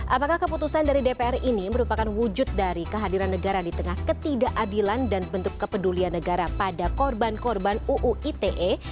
apakah keputusan dari dpr ini merupakan wujud dari kehadiran negara di tengah ketidakadilan dan bentuk kepedulian negara pada korban korban uu ite